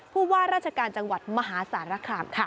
ผู้ว่าราชการจังหวัดมหาสารคามค่ะ